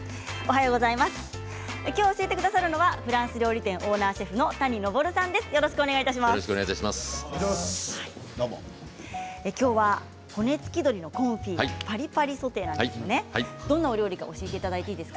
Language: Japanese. きょう教えてくださるのはフランス料理店オーナーシェフの谷昇さんです。